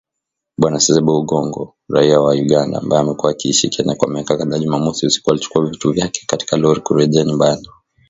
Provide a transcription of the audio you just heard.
Bw Ssebbo Ogongo, raia wa Uganda, ambaye amekuwa akiishi Kenya, kwa miaka kadhaa, Jumamosi usiku alichukua vitu vyake katika lori kurejea nyumbani